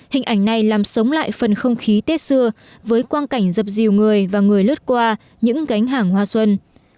hình ảnh này làm sống lại phần không khí tết xưa với quan cảnh dập rìu người và người lướt qua những gánh hàng hoa xuân